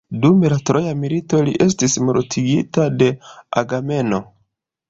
Dum la troja milito, li estis mortigita de Agamemno.